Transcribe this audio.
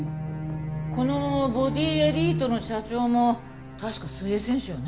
このボディエリートの社長も確か水泳選手よね？